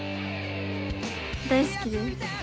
大好きです。